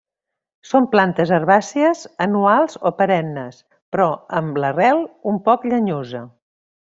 Són plantes herbàcies anuals o perennes però amb la rel un poc llenyosa.